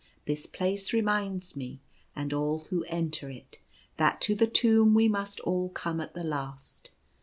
This place re minds me and all who enter it, that to the tomb we must all come at the last.